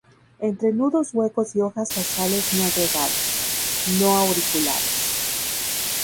Entrenudos huecos y hojas basales no agregadas; no auriculadas.